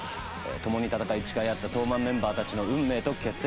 共に戦い誓い合った東卍メンバーたちの運命と決戦。